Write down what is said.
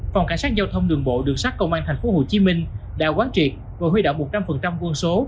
phòng cảnh sát giao thông đường bộ đường sát công an tp hcm đã quán triệt và huy động một trăm linh quân số